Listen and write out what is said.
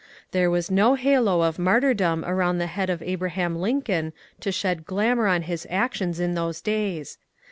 There was no halo of martyrdom around the head of ^^Abraham Lincoln to shed glamour on his actions in those days.